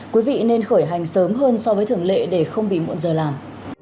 quý vị nên khởi hành sớm hơn so với thường lệ để không bị muộn giờ làm